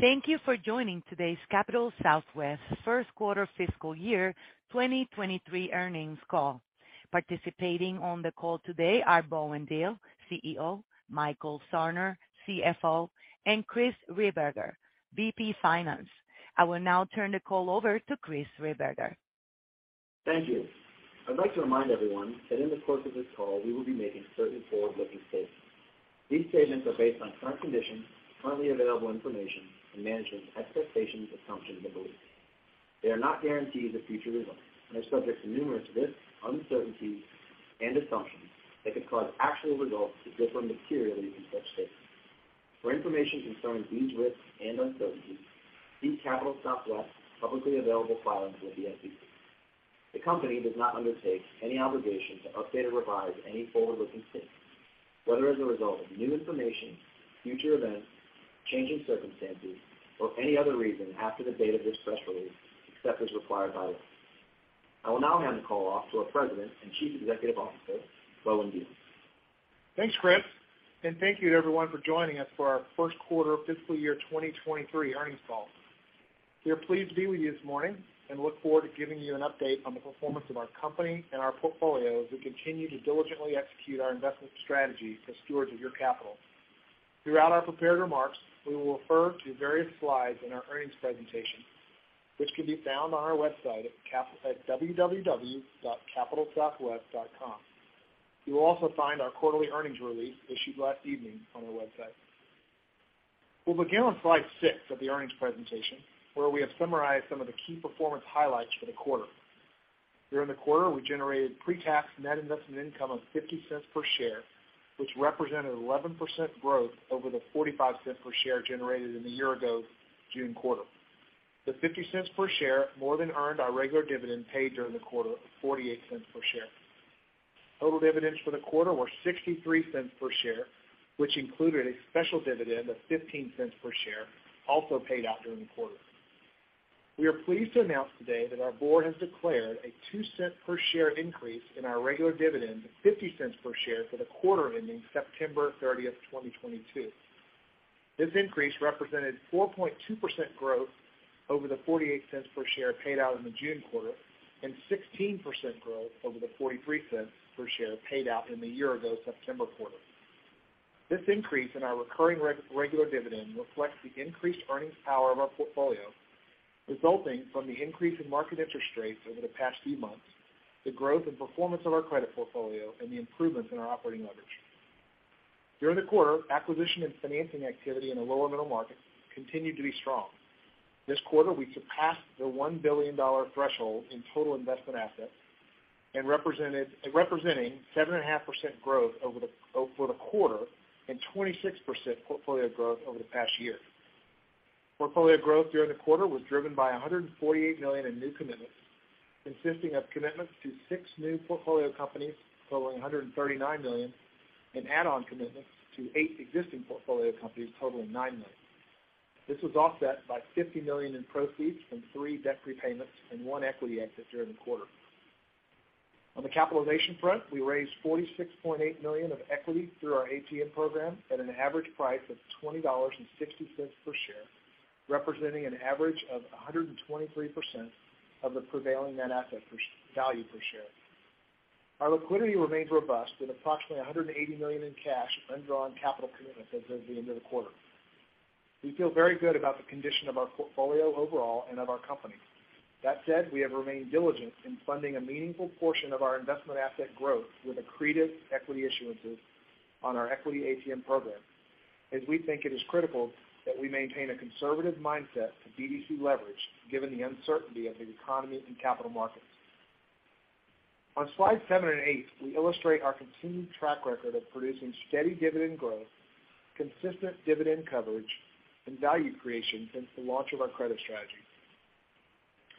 Thank you for joining today's Capital Southwest first quarter fiscal year 2023 earnings call. Participating on the call today are Bowen Diehl, CEO, Michael Sarner, CFO, and Chris Rehberger, VP Finance. I will now turn the call over to Chris Rehberger. Thank you. I'd like to remind everyone that in the course of this call, we will be making certain forward-looking statements. These statements are based on current conditions, currently available information and management's expectations, assumptions, and beliefs. They are not guarantees of future results and are subject to numerous risks, uncertainties and assumptions that could cause actual results to differ materially from such statements. For information concerning these risks and uncertainties, see Capital Southwest's publicly available filings with the SEC. The company does not undertake any obligation to update or revise any forward-looking statements, whether as a result of new information, future events, changing circumstances, or any other reason after the date of this press release, except as required by law. I will now hand the call off to our President and Chief Executive Officer, Bowen Diehl. Thanks, Chris, and thank you to everyone for joining us for our first quarter fiscal year 2023 earnings call. We are pleased to be with you this morning and look forward to giving you an update on the performance of our company and our portfolio as we continue to diligently execute our investment strategy as stewards of your capital. Throughout our prepared remarks, we will refer to various slides in our earnings presentation, which can be found on our website at www.capitalsouthwest.com. You will also find our quarterly earnings release issued last evening on our website. We'll begin on slide six of the earnings presentation, where we have summarized some of the key performance highlights for the quarter. During the quarter, we generated pre-tax net investment income of $0.50 per share, which represented 11% growth over the $0.45 per share generated in the year ago June quarter. The $0.50 per share more than earned our regular dividend paid during the quarter of $0.48 per share. Total dividends for the quarter were $0.63 per share, which included a special dividend of $0.15 per share, also paid out during the quarter. We are pleased to announce today that our board has declared a $0.02 per share increase in our regular dividend of $0.50 per share for the quarter ending September 30th, 2022. This increase represented 4.2% growth over the $0.48 per share paid out in the June quarter and 16% growth over the $0.43 per share paid out in the year ago September quarter. This increase in our recurring regular dividend reflects the increased earnings power of our portfolio, resulting from the increase in market interest rates over the past few months, the growth and performance of our credit portfolio, and the improvements in our operating leverage. During the quarter, acquisition and financing activity in the lower middle market continued to be strong. This quarter, we surpassed the $1 billion threshold in total investment assets, representing 7.5% growth over the quarter and 26% portfolio growth over the past year. Portfolio growth during the quarter was driven by $148 million in new commitments, consisting of commitments to six new portfolio companies totaling $139 million and add-on commitments to eight existing portfolio companies totaling $9 million. This was offset by $50 million in proceeds from three debt repayments and one equity exit during the quarter. On the capitalization front, we raised $46.8 million of equity through our ATM program at an average price of $20.60 per share, representing an average of 123% of the prevailing net asset value per share. Our liquidity remains robust, with approximately $180 million in cash undrawn capital commitments as of the end of the quarter. We feel very good about the condition of our portfolio overall and of our company. That said, we have remained diligent in funding a meaningful portion of our investment asset growth with accretive equity issuances on our equity ATM program as we think it is critical that we maintain a conservative mindset to BDC leverage given the uncertainty of the economy and capital markets. On slide seven and eight, we illustrate our continued track record of producing steady dividend growth, consistent dividend coverage and value creation since the launch of our credit strategy.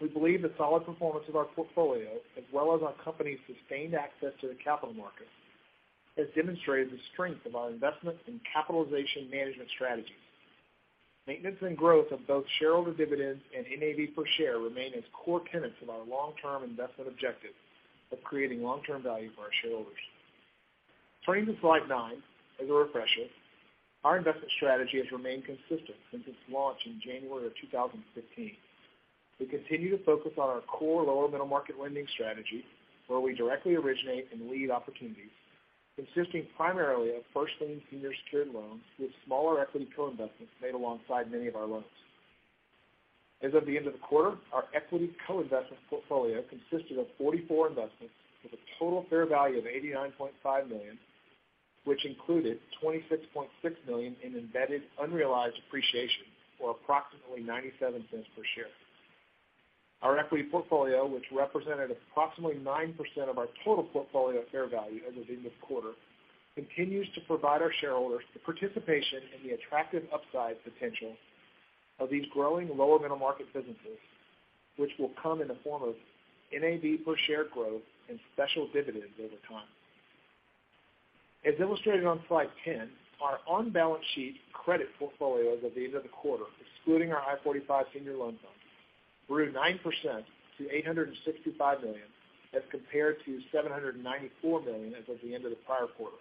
We believe the solid performance of our portfolio, as well as our company's sustained access to the capital markets, has demonstrated the strength of our investment and capitalization management strategies. Maintenance and growth of both shareholder dividends and NAV per share remain as core tenets of our long-term investment objective of creating long-term value for our shareholders. Turning to slide nine, as a refresher, our investment strategy has remained consistent since its launch in January 2015. We continue to focus on our core lower middle market lending strategy, where we directly originate and lead opportunities consisting primarily of first lien senior secured loans with smaller equity co-investments made alongside many of our loans. As of the end of the quarter, our equity co-investment portfolio consisted of 44 investments with a total fair value of $89.5 million, which included $26.6 million in embedded unrealized appreciation, or approximately $0.97 per share. Our equity portfolio, which represented approximately 9% of our total portfolio fair value as of the end of quarter, continues to provide our shareholders the participation in the attractive upside potential of these growing lower middle market businesses, which will come in the form of NAV per share growth and special dividends over time. As illustrated on slide 10, our on-balance sheet credit portfolio as of the end of the quarter, excluding our I-45 Senior Loan Fund, grew 9% to $865 million as compared to $794 million as of the end of the prior quarter.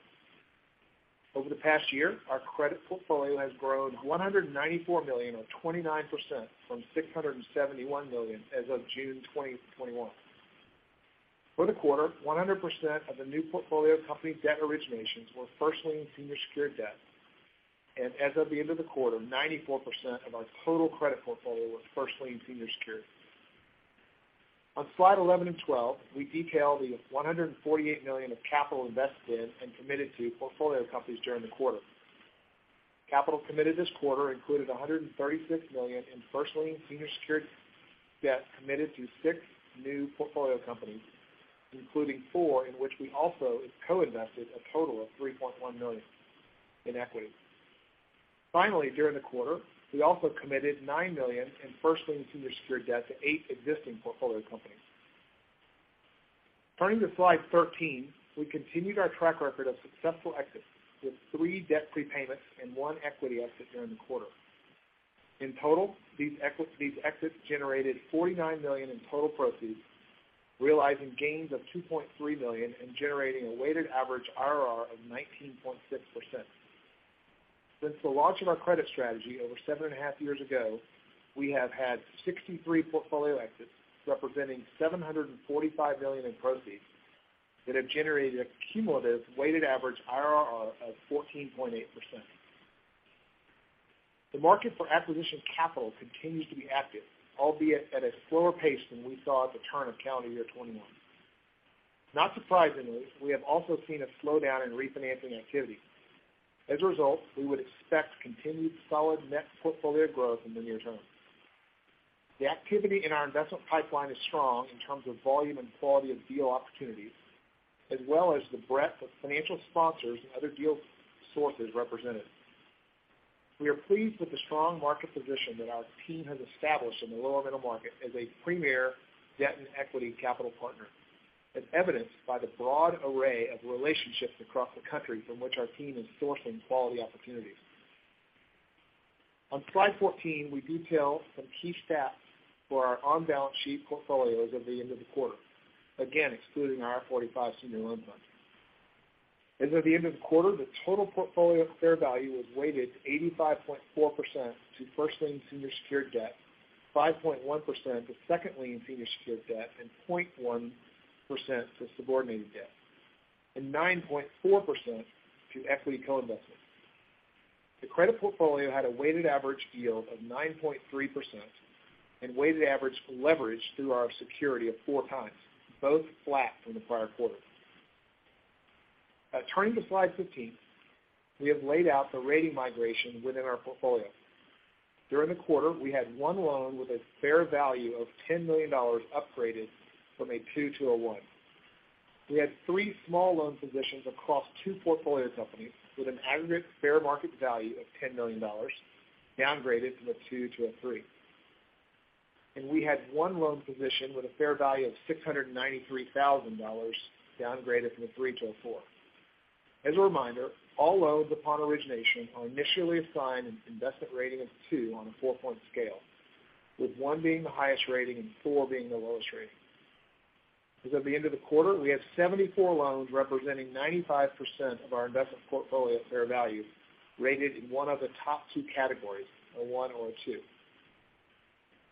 Over the past year, our credit portfolio has grown $194 million or 29% from $671 million as of June 2021. For the quarter, 100% of the new portfolio company debt originations were first lien senior secured debt. As of the end of the quarter, 94% of our total credit portfolio was first lien senior secured. On slide 11 and 12, we detail the $148 million of capital invested in and committed to portfolio companies during the quarter. Capital committed this quarter included $136 million in first lien senior secured debt committed to six new portfolio companies, including four in which we also co-invested a total of $3.1 million in equity. Finally, during the quarter, we also committed $9 million in first lien senior secured debt to eight existing portfolio companies. Turning to slide 13, we continued our track record of successful exits with three debt prepayments and one equity exit during the quarter. In total, these exits generated $49 million in total proceeds, realizing gains of $2.3 million and generating a weighted average IRR of 19.6%. Since the launch of our credit strategy over 7.5 years ago, we have had 63 portfolio exits, representing $745 million in proceeds that have generated a cumulative weighted average IRR of 14.8%. The market for acquisition capital continues to be active, albeit at a slower pace than we saw at the turn of calendar year 2021. Not surprisingly, we have also seen a slowdown in refinancing activity. As a result, we would expect continued solid net portfolio growth in the near term. The activity in our investment pipeline is strong in terms of volume and quality of deal opportunities, as well as the breadth of financial sponsors and other deal sources represented. We are pleased with the strong market position that our team has established in the lower middle market as a premier debt and equity capital partner, as evidenced by the broad array of relationships across the country from which our team is sourcing quality opportunities. On slide 14, we detail some key stats for our on-balance sheet portfolio as of the end of the quarter. Again, excluding our I-45 Senior Loan Funds. As of the end of the quarter, the total portfolio fair value was weighted 85.4% to first lien senior secured debt, 5.1% to second lien senior secured debt, and 0.1% to subordinated debt, and 9.4% to equity co-investments. The credit portfolio had a weighted average yield of 9.3% and weighted average leverage through our security of 4x, both flat from the prior quarter. Turning to slide 15, we have laid out the rating migration within our portfolio. During the quarter, we had one loan with a fair value of $10 million upgraded from a two to a one. We had three small loan positions across two portfolio companies with an aggregate fair market value of $10 million downgraded from a 2 to a 3. We had one loan position with a fair value of $693,000 downgraded from a three to a four. As a reminder, all loans upon origination are initially assigned an investment rating of two on a four-point scale, with one being the highest rating and four being the lowest rating. As of the end of the quarter, we had 74 loans representing 95% of our investment portfolio fair value rated in one of the top two categories, a one or a two.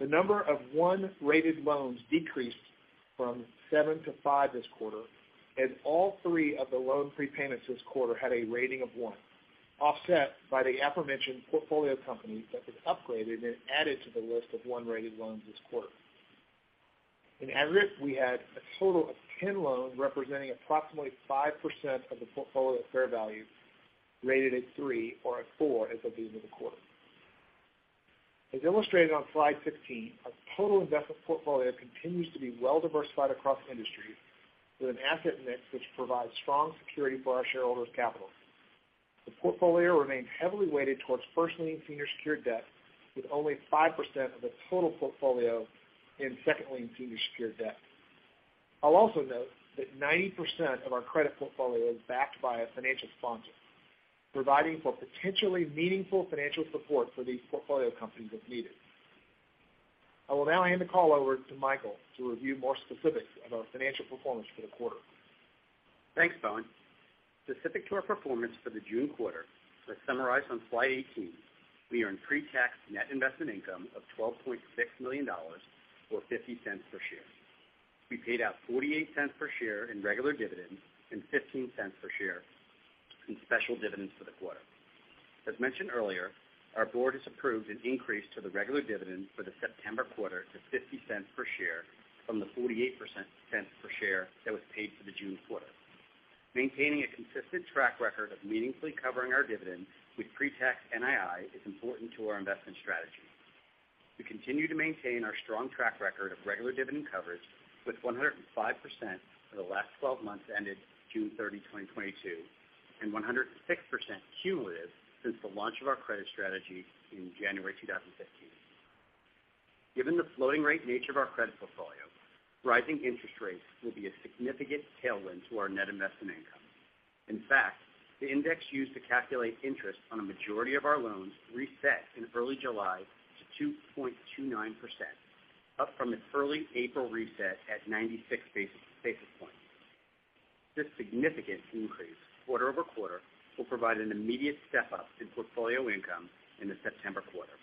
The number of one-rated loans decreased from seven to five this quarter, and all three of the loan prepayments this quarter had a rating of one, offset by the aforementioned portfolio company that was upgraded and added to the list of one-rated loans this quarter. In aggregate, we had a total of 10 loans representing approximately 5% of the portfolio fair value rated a three or a four as of the end of the quarter. As illustrated on slide 16, our total investment portfolio continues to be well-diversified across industries with an asset mix which provides strong security for our shareholders' capital. The portfolio remains heavily weighted towards first lien senior secured debt with only 5% of the total portfolio in second lien senior secured debt. I'll also note that 90% of our credit portfolio is backed by a financial sponsor, providing for potentially meaningful financial support for these portfolio companies if needed. I will now hand the call over to Michael to review more specifics of our financial performance for the quarter. Thanks, Bowen. Specific to our performance for the June quarter, as summarized on slide 18, we earned pre-tax net investment income of $12.6 million, or $0.50 per share. We paid out $0.48 per share in regular dividends and $0.15 per share in special dividends for the quarter. As mentioned earlier, our board has approved an increase to the regular dividend for the September quarter to $0.50 per share from the forty-eight cents per share that was paid for the June quarter. Maintaining a consistent track record of meaningfully covering our dividend with pre-tax NII is important to our investment strategy. We continue to maintain our strong track record of regular dividend coverage with 105% for the last twelve months ended June 30, 2022, and 106% cumulative since the launch of our credit strategy in January 2015. Given the floating rate nature of our credit portfolio, rising interest rates will be a significant tailwind to our net investment income. In fact, the index used to calculate interest on a majority of our loans reset in early July to 2.29%, up from its early April reset at 96 basis points. This significant increase quarter-over-quarter will provide an immediate step up in portfolio income in the September quarter.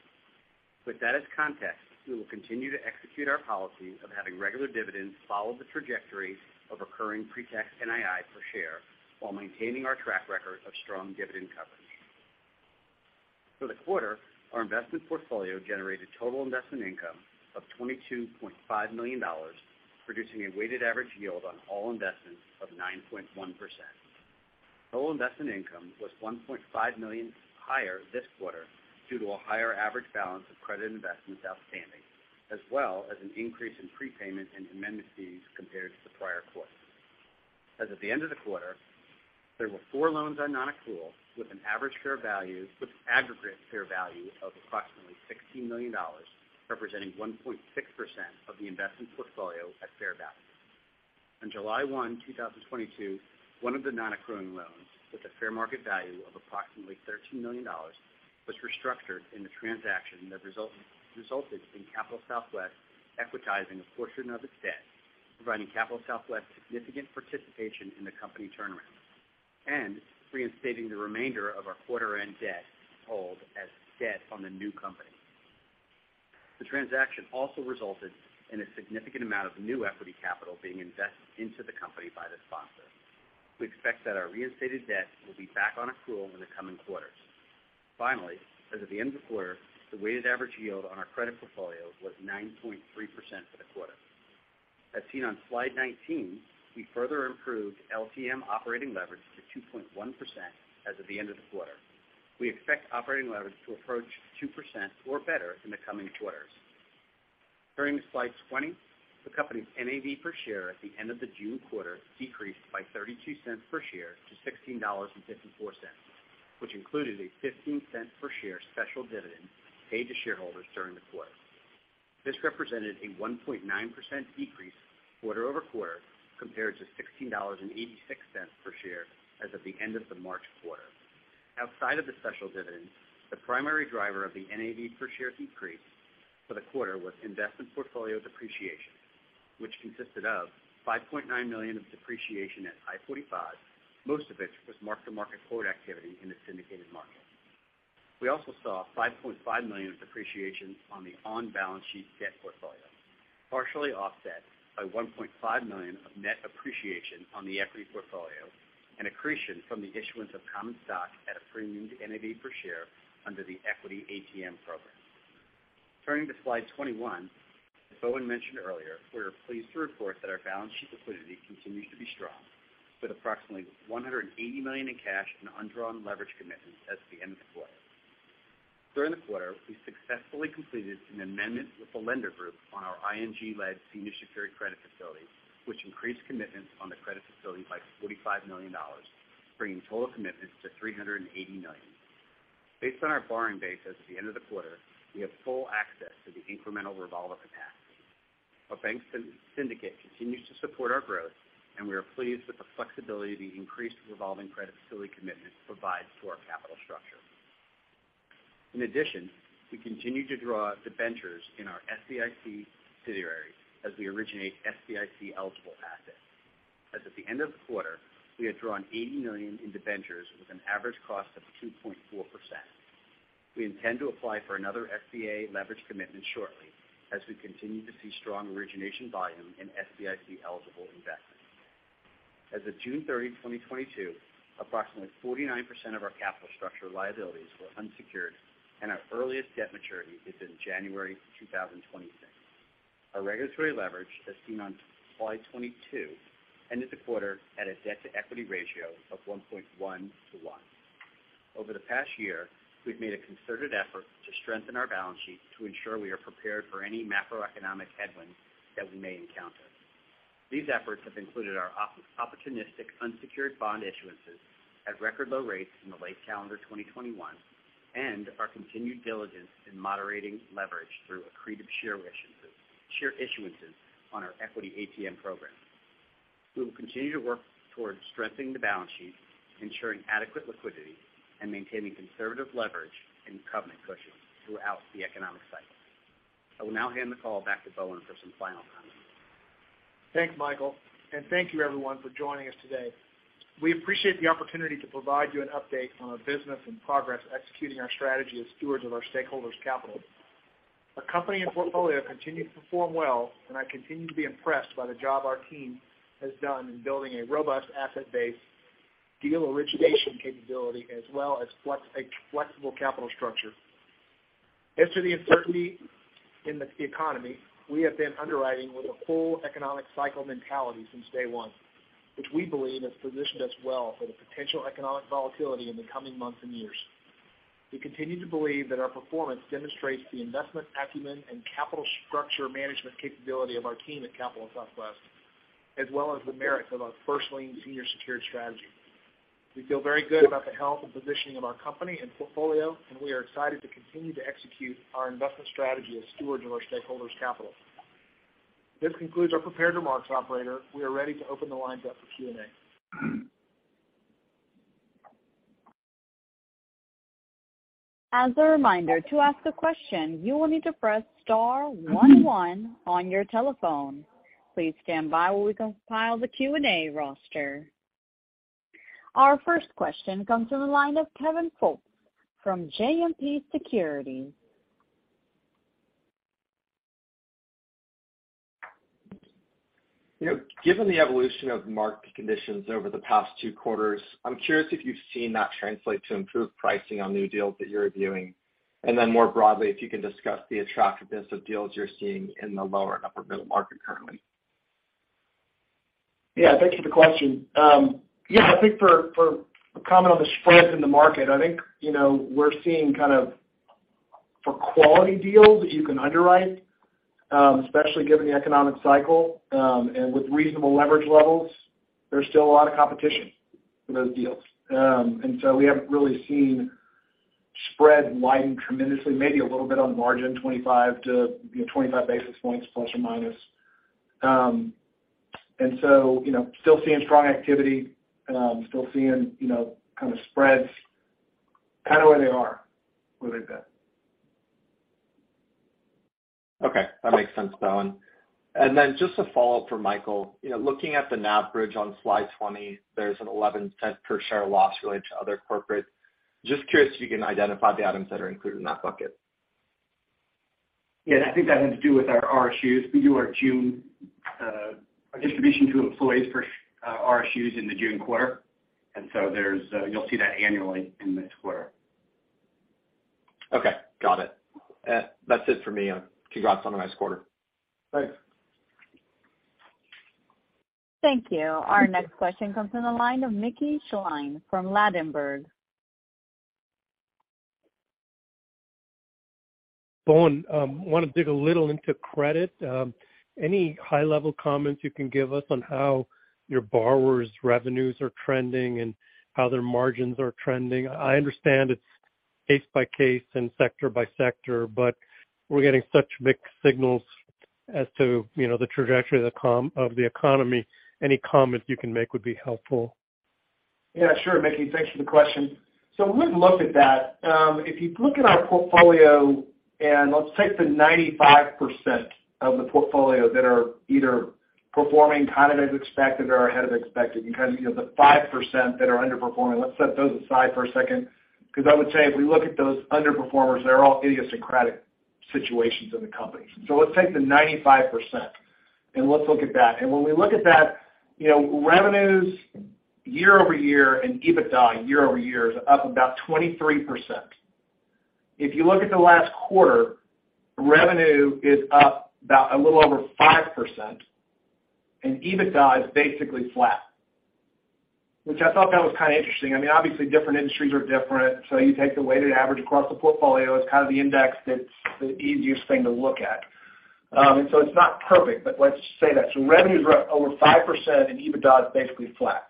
With that as context, we will continue to execute our policy of having regular dividends follow the trajectory of recurring pre-tax NII per share while maintaining our track record of strong dividend coverage. For the quarter, our investment portfolio generated total investment income of $22.5 million, producing a weighted average yield on all investments of 9.1%. Total investment income was $1.5 million higher this quarter due to a higher average balance of credit investments outstanding, as well as an increase in prepayment and amendment fees compared to the prior quarter. As at the end of the quarter, there were four loans on non-accrual with aggregate fair value of approximately $16 million, representing 1.6% of the investment portfolio at fair value. On July 1, 2022, one of the non-accruing loans with a fair market value of approximately $13 million was restructured in the transaction that resulted in Capital Southwest equitizing a portion of its debt, providing Capital Southwest significant participation in the company turnaround and reinstating the remainder of our quarter end debt hold as debt on the new company. The transaction also resulted in a significant amount of new equity capital being invested into the company by the sponsor. We expect that our reinstated debt will be back on accrual in the coming quarters. Finally, as at the end of the quarter, the weighted average yield on our credit portfolio was 9.3% for the quarter. As seen on slide 19, we further improved LTM operating leverage to 2.1% as of the end of the quarter. We expect operating leverage to approach 2% or better in the coming quarters. Turning to slide 20, the company's NAV per share at the end of the June quarter decreased by $0.32 per share to $16.54, which included a $0.15 per share special dividend paid to shareholders during the quarter. This represented a 1.9% decrease quarter-over-quarter, compared to $16.86 per share as of the end of the March quarter. Outside of the special dividend, the primary driver of the NAV per share decrease for the quarter was investment portfolio depreciation, which consisted of $5.9 million of depreciation at I-45, most of which was mark-to-market quote activity in the syndicated market. We also saw $5.5 million of depreciation on the on-balance sheet debt portfolio, partially offset by $1.5 million of net appreciation on the equity portfolio and accretion from the issuance of common stock at a premium to NAV per share under the equity ATM program. Turning to slide 21, as Bowen mentioned earlier, we are pleased to report that our balance sheet liquidity continues to be strong with approximately $180 million in cash and undrawn leverage commitments as of the end of the quarter. During the quarter, we successfully completed an amendment with the lender group on our ING-led senior secured credit facility, which increased commitments on the credit facility by $45 million, bringing total commitments to $380 million. Based on our borrowing base as of the end of the quarter, we have full access to the incremental revolver capacity. Our bank syndicate continues to support our growth, and we are pleased with the flexibility the increased revolving credit facility commitment provides to our capital structure. In addition, we continue to draw debentures in our SBIC subsidiary as we originate SBIC-eligible assets. As of the end of the quarter, we had drawn $80 million in debentures with an average cost of 2.4%. We intend to apply for another SBA leverage commitment shortly as we continue to see strong origination volume in SBIC-eligible investments. As of June 30, 2022, approximately 49% of our capital structure liabilities were unsecured, and our earliest debt maturity is in January 2026. Our regulatory leverage, as seen on slide 22, ended the quarter at a debt-to-equity ratio of 1.1 to 1. Over the past year, we've made a concerted effort to strengthen our balance sheet to ensure we are prepared for any macroeconomic headwinds that we may encounter. These efforts have included our opportunistic unsecured bond issuances at record low rates in the late calendar 2021 and our continued diligence in moderating leverage through accretive share issuances, share issuances on our equity ATM program. We will continue to work towards strengthening the balance sheet, ensuring adequate liquidity, and maintaining conservative leverage and covenant cushions throughout the economic cycle. I will now hand the call back to Bowen for some final comments. Thanks, Michael, and thank you everyone for joining us today. We appreciate the opportunity to provide you an update on our business and progress executing our strategy as stewards of our shareholders' capital. Our company and portfolio continue to perform well, and I continue to be impressed by the job our team has done in building a robust asset base deal origination capability, as well as a flexible capital structure. As to the uncertainty in the economy, we have been underwriting with a full economic cycle mentality since day one, which we believe has positioned us well for the potential economic volatility in the coming months and years. We continue to believe that our performance demonstrates the investment acumen and capital structure management capability of our team at Capital Southwest, as well as the merit of our first lien senior secured strategy. We feel very good about the health and positioning of our company and portfolio, and we are excited to continue to execute our investment strategy as stewards of our shareholders' capital. This concludes our prepared remarks, operator. We are ready to open the lines up for Q&A. As a reminder, to ask a question, you will need to press star one one on your telephone. Please stand by while we compile the Q&A roster. Our first question comes from the line of Kevin Fultz from JMP Securities. You know, given the evolution of market conditions over the past two quarters, I'm curious if you've seen that translate to improved pricing on new deals that you're reviewing? More broadly, if you can discuss the attractiveness of deals you're seeing in the lower and upper middle market currently? Yeah, thank you for the question. Yeah, I think for comment on the spreads in the market. I think, you know, we're seeing kind of for quality deals that you can underwrite, especially given the economic cycle, and with reasonable leverage levels, there's still a lot of competition for those deals. And so we haven't really seen spread widen tremendously, maybe a little bit on margin, 25 to, you know, 25 basis points plus or minus. And so, you know, still seeing strong activity, still seeing, you know, kind of spreads kind of where they are, where they've been. Okay, that makes sense, Bowen. Just a follow-up for Michael. You know, looking at the NAV Bridge on slide 20, there's an $0.11 per share loss related to other corporates. Just curious if you can identify the items that are included in that bucket. Yeah, I think that has to do with our RSUs. We do our June distribution to employees for RSUs in the June quarter. You'll see that annually in this quarter. Okay. Got it. That's it for me. Congrats on a nice quarter. Thanks. Thank you. Our next question comes from the line of Mickey Schleien from Ladenburg. Bowen, want to dig a little into credit. Any high-level comments you can give us on how your borrowers' revenues are trending and how their margins are trending? I understand it's case by case and sector by sector, but we're getting such mixed signals as to, you know, the trajectory of the economy. Any comments you can make would be helpful. Yeah, sure, Mickey. Thanks for the question. When we look at that, if you look in our portfolio and let's take the 95% of the portfolio that are either performing kind of as expected or ahead of expected, because, you know, the 5% that are underperforming, let's set those aside for a second, because I would say if we look at those underperformers, they're all idiosyncratic situations in the companies. Let's take the 95%, and let's look at that. When we look at that, you know, revenues year-over-year and EBITDA year-over-year is up about 23%. If you look at the last quarter, revenue is up about a little over 5%, and EBITDA is basically flat, which I thought that was kind of interesting. I mean, obviously different industries are different. You take the weighted average across the portfolio, it's kind of the index that's the easiest thing to look at. It's not perfect, but let's say that. Revenues are up over 5% and EBITDA is basically flat.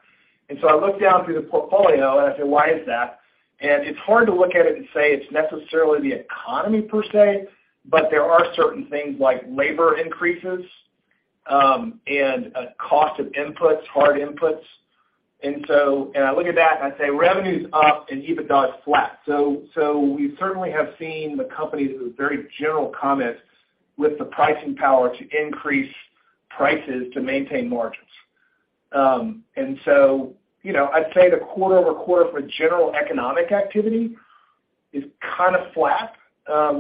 I look down through the portfolio and I say, "Why is that?" It's hard to look at it and say it's necessarily the economy per se, but there are certain things like labor increases, and cost of inputs, hard inputs. I look at that and I say, "Revenue's up and EBITDA is flat." We certainly have seen the companies with very general comments with the pricing power to increase prices to maintain margins. You know, I'd say the quarter-over-quarter for general economic activity is kind of flat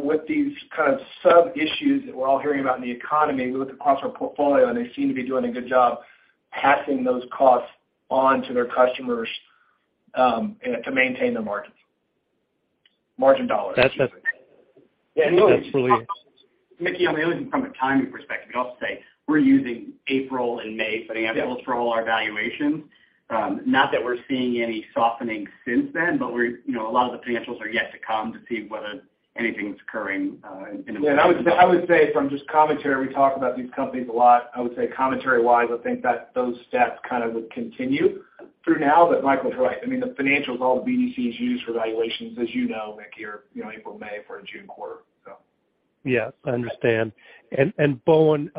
with these kind of such issues that we're all hearing about in the economy. We look across our portfolio, and they seem to be doing a good job passing those costs on to their customers to maintain the margins, margin dollars. That's it. Yeah. Mickey, I mean, only from a timing perspective, I'd also say we're using April and May financials for all our valuations. Not that we're seeing any softening since then, but, you know, a lot of the financials are yet to come to see whether anything's occurring. I would say from just commentary, we talk about these companies a lot. I would say commentary-wise, I think that those stats kind of would continue through now, but Michael's right. I mean, the financials all the BDCs use for valuations, as you know, Mickey, are, you know, April, May for a June quarter, so. Yes, I understand. Bowen,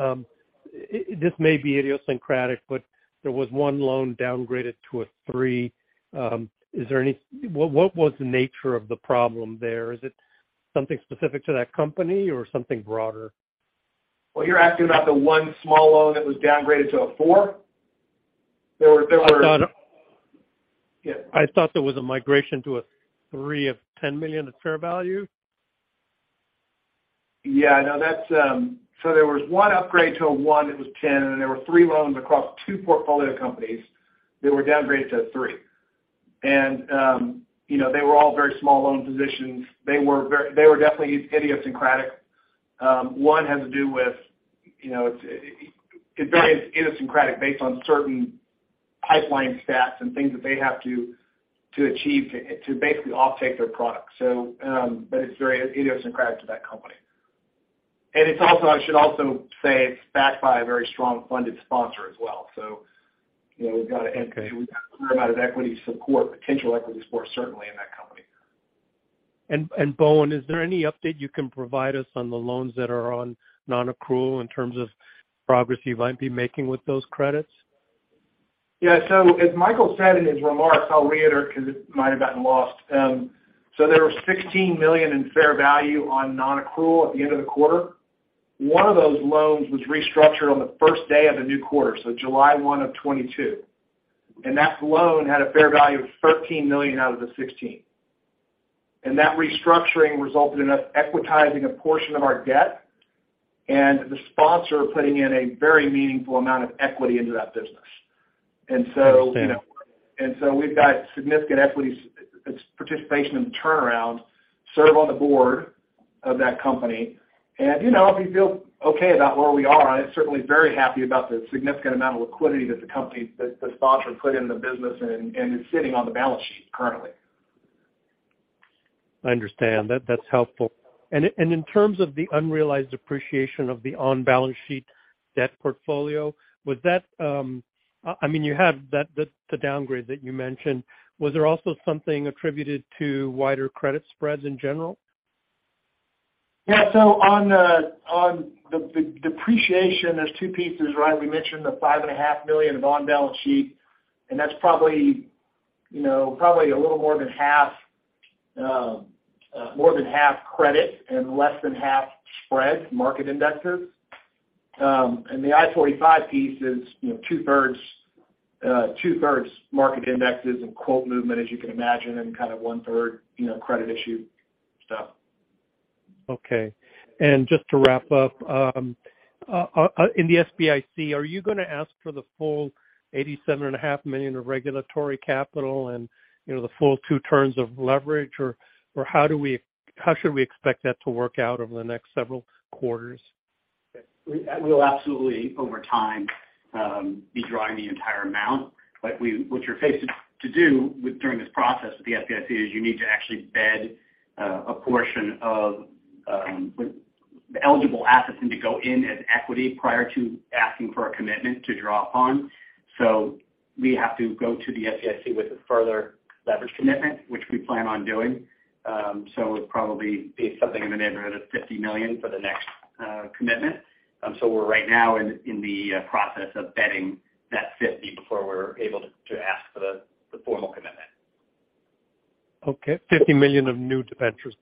this may be idiosyncratic, but there was one loan downgraded to a three. What was the nature of the problem there? Is it something specific to that company or something broader? Well, you're asking about the one small loan that was downgraded to a four? There were. I thought- Yeah. I thought there was a migration to $30 million of fair value. Yeah. No, that's. There was one upgrade to a one that was 10, and there were three loans across two portfolio companies that were downgraded to three. You know, they were all very small loan positions. They were definitely idiosyncratic. One had to do with, you know, it's very idiosyncratic based on certain pipeline stats and things that they have to achieve to basically offtake their product. It's very idiosyncratic to that company. I should also say it's backed by a very strong funded sponsor as well. You know, we've got a fair amount of equity support, potential equity support, certainly in that company. Bowen, is there any update you can provide us on the loans that are on nonaccrual in terms of progress you might be making with those credits? Yeah. As Michael said in his remarks, I'll reiterate because it might have gotten lost. There was $16 million in fair value on nonaccrual at the end of the quarter. One of those loans was restructured on the first day of the new quarter, so July 1, 2022. That loan had a fair value of $13 million out of the $16 million. That restructuring resulted in us equitizing a portion of our debt and the sponsor putting in a very meaningful amount of equity into that business. I understand. You know, we've got significant equity participation in the turnaround, serve on the board of that company. You know, we feel okay about where we are, and certainly very happy about the significant amount of liquidity that the sponsor put in the business and is sitting on the balance sheet currently. I understand. That, that's helpful. In terms of the unrealized appreciation of the on-balance-sheet debt portfolio, was that, I mean, you have that, the downgrade that you mentioned. Was there also something attributed to wider credit spreads in general? Yeah. On the depreciation, there's two pieces, right? We mentioned the $5.5 million of on-balance-sheet, and that's probably a little more than half credit and less than half spread market indexes. And the I-45 piece is two-thirds market indexes and quote movement, as you can imagine, and kind of one-third credit issue stuff. Okay. Just to wrap up, in the SBIC, are you gonna ask for the full $87.5 million of regulatory capital and, you know, the full two turns of leverage? Or, how should we expect that to work out over the next several quarters? We'll absolutely over time be drawing the entire amount. What you're faced with during this process with the SBIC is you need to actually pledge a portion of the eligible assets and to go in as equity prior to asking for a commitment to draw upon. We have to go to the SBIC with a further leverage commitment, which we plan on doing. It'll probably be something in the neighborhood of $50 million for the next commitment. We're right now in the process of pledging that 50 before we're able to ask for the formal commitment. Okay. $50 million of new debentures,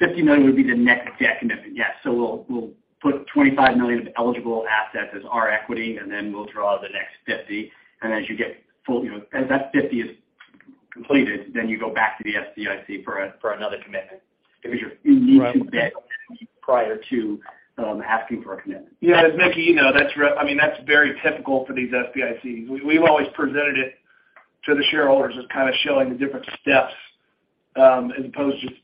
right? The $50 million would be the next debt commitment, yes. We'll put $25 million of eligible assets as our equity, and then we'll draw the next $50 million. As you get full, you know, as that $50 million is completed, then you go back to the SBIC for another commitment because you're- Right. You need to bid prior to asking for a commitment. Yeah. As Mickey, you know, I mean, that's very typical for these SBICs. We've always presented it to the shareholders as kind of showing the different steps as opposed to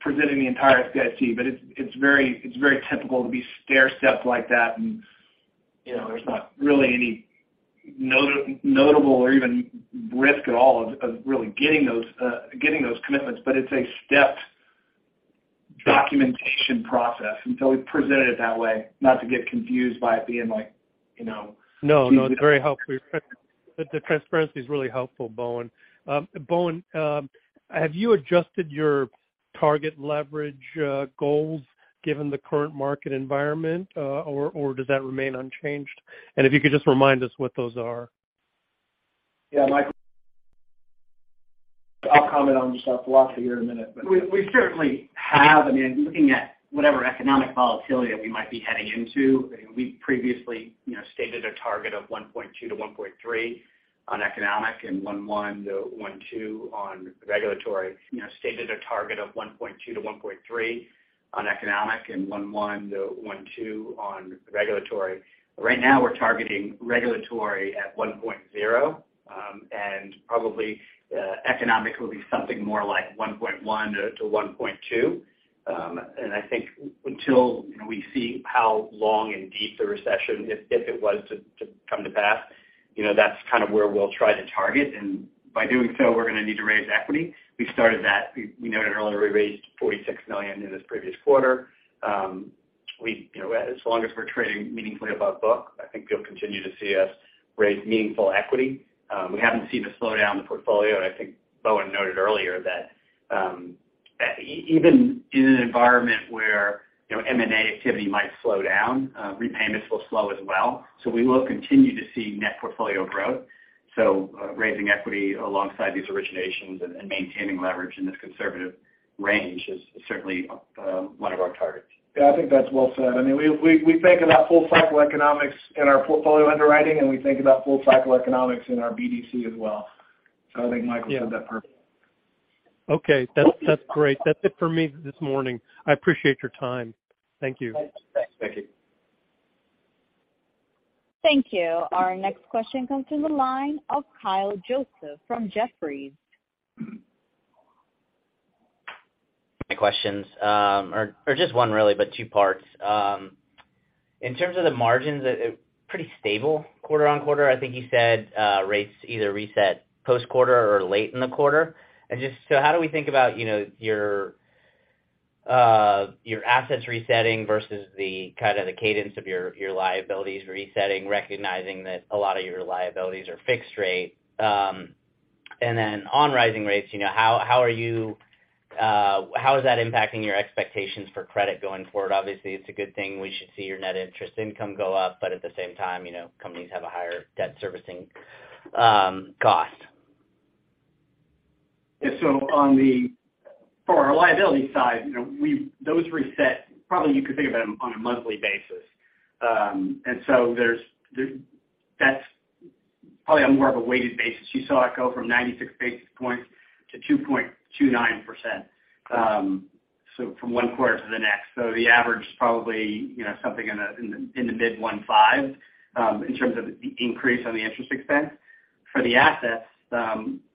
presenting the entire SBIC. It's very typical to be stairstepped like that. You know, there's not really any notable or even risk at all of really getting those commitments. It's a stepped documentation process, and so we've presented it that way, not to get confused by it being like, you know. No, it's very helpful. The transparency is really helpful, Bowen. Bowen, have you adjusted your target leverage goals given the current market environment, or does that remain unchanged? If you could just remind us what those are. Yeah, Michael. I'll comment on just our philosophy here in a minute. We certainly have. I mean, looking at whatever economic volatility we might be heading into, we previously, you know, stated a target of 1.2-1.3 on economic and 1.1-1.2 on regulatory. Right now, we're targeting regulatory at 1.0, and probably economic will be something more like 1.1-1.2. I think until we see how long and deep the recession, if it was to come to pass, you know, that's kind of where we'll try to target. By doing so, we're gonna need to raise equity. We started that. We noted earlier, we raised $46 million in this previous quarter. We, you know, as long as we're trading meaningfully above book, I think you'll continue to see us raise meaningful equity. We haven't seen a slowdown in the portfolio, and I think Bowen noted earlier that even in an environment where, you know, M&A activity might slow down, repayments will slow as well. We will continue to see net portfolio growth. Raising equity alongside these originations and maintaining leverage in this conservative range is certainly one of our targets. Yeah, I think that's well said. I mean, we think about full cycle economics in our portfolio underwriting, and we think about full cycle economics in our BDC as well. I think Michael said that perfectly. Okay. That's great. That's it for me this morning. I appreciate your time. Thank you. Thanks. Thank you. Thank you. Our next question comes from the line of Kyle Joseph from Jefferies. My questions are just one really, but two parts. In terms of the margins, pretty stable quarter-over-quarter. I think you said rates either reset post-quarter or late in the quarter. Just so how do we think about, you know, your assets resetting versus the kind of the cadence of your liabilities resetting, recognizing that a lot of your liabilities are fixed rate. On rising rates, you know, how is that impacting your expectations for credit going forward? Obviously, it's a good thing. We should see your net interest income go up, but at the same time, you know, companies have a higher debt servicing cost. Yeah. For our liability side, you know, those reset, probably you could think of them on a monthly basis. That's probably on more of a weighted basis. You saw it go from 96 basis points to 2.29%, so from one quarter to the next. The average is probably, you know, something in the mid 1.5 in terms of the increase on the interest expense. For the assets,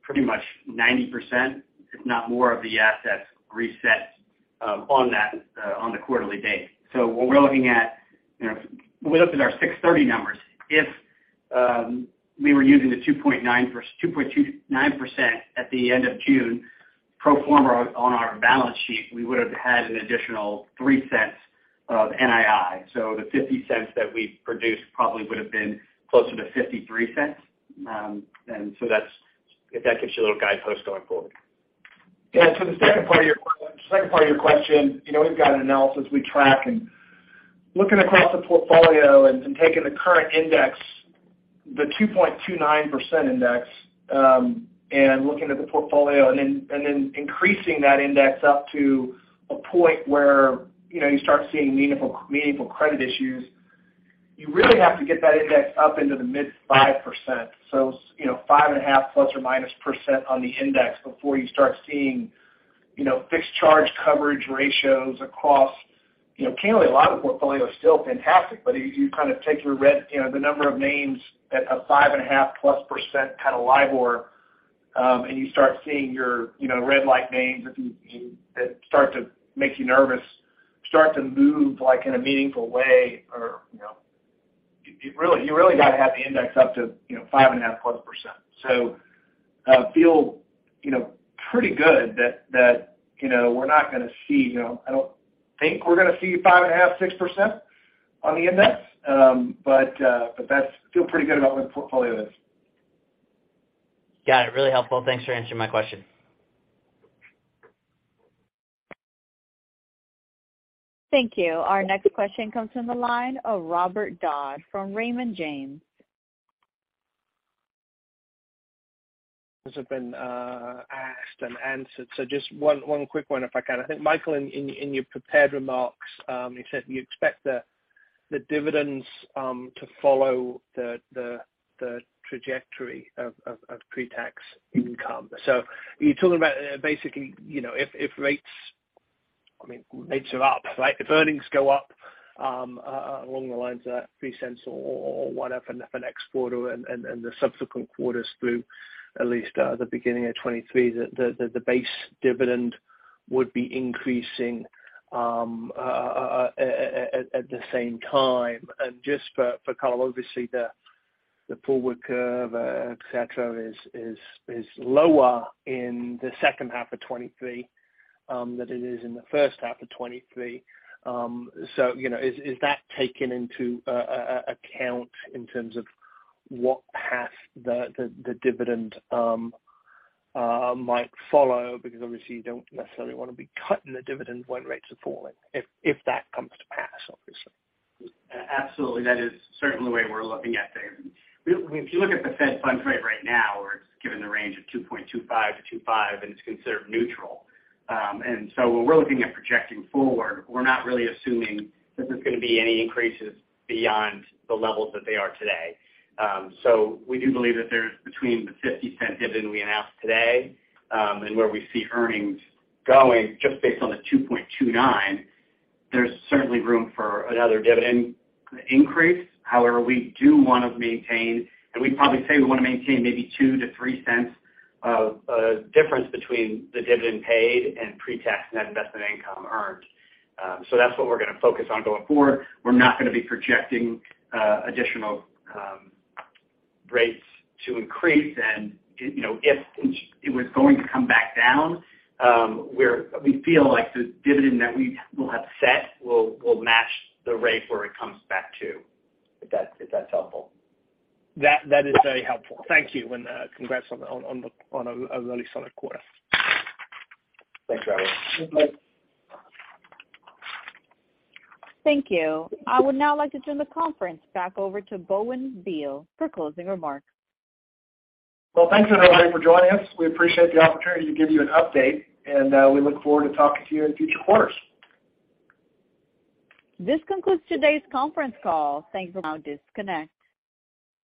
pretty much 90%, if not more, of the assets reset on that quarterly basis. What we're looking at, you know, when we looked at our 6/30 numbers, if we were using the 2.9%, 2.29% at the end of June, pro forma on our balance sheet, we would have had an additional $0.03 of NII. The $0.50 that we produced probably would have been closer to $0.53. That's if that gives you a little guidepost going forward. Yeah. To the second part of your question, you know, we've got analysis we track. Looking across the portfolio and taking the current index, the 2.29% index, and looking at the portfolio and then increasing that index up to a point where, you know, you start seeing meaningful credit issues, you really have to get that index up into the mid-5%. You know, 5.5% plus or minus on the index before you start seeing, you know, fixed charge coverage ratios across. You know, currently, a lot of the portfolio is still fantastic, but you kind of take your red, you know, the number of names at a 5.5%+ kind of LIBOR, and you start seeing your, you know, red light names that start to make you nervous start to move like in a meaningful way or, you know. You really got to have the index up to, you know, 5.5%+. Feel you know pretty good that you know we're not gonna see you know I don't think we're gonna see 5.5-6% on the index. Feel pretty good about where the portfolio is. Got it. Really helpful. Thanks for answering my question. Thank you. Our next question comes from the line of Robert Dodd from Raymond James. Those have been asked and answered. Just one quick one if I can. I think, Michael, in your prepared remarks, you said you expect the dividends to follow the trajectory of pre-tax income. Are you talking about basically, you know, if rates, I mean, rates are up, like if earnings go up, along the lines of that $0.03 or $0.01 up in the next quarter and the subsequent quarters through at least the beginning of 2023, the base dividend would be increasing at the same time. Just for color, obviously the forward curve, et cetera, is lower in the second half of 2023 than it is in the first half of 2023. you know, is that taken into account in terms of what path the dividend might follow? Because obviously you don't necessarily wanna be cutting the dividend when rates are falling if that comes to pass, obviously. Absolutely. That is certainly the way we're looking at it. If you look at the Fed funds rate right now where it's given the range of 2.25-2.5 and it's considered neutral. When we're looking at projecting forward, we're not really assuming that there's gonna be any increases beyond the levels that they are today. We do believe that there's between the $0.50 dividend we announced today, and where we see earnings going just based on the $2.29, there's certainly room for another dividend increase. However, we do want to maintain, and we'd probably say we wanna maintain maybe $0.02-$0.03 of difference between the dividend paid and pre-tax net investment income earned. That's what we're gonna focus on going forward. We're not gonna be projecting additional rates to increase. You know, if it was going to come back down, we feel like the dividend that we will have set will match the rate where it comes back to. If that's helpful. That is very helpful. Thank you, and congrats on a really solid quarter. Thanks, Robert. Thanks. Thank you. I would now like to turn the conference back over to Bowen Diehl for closing remarks. Well, thanks everybody for joining us. We appreciate the opportunity to give you an update, and we look forward to talking to you in future quarters. This concludes today's conference call. Thanks for now. Disconnect.